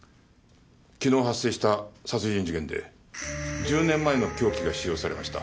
昨日発生した殺人事件で１０年前の凶器が使用されました。